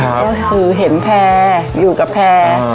ก็คือเห็นแพร่อยู่กับแพร่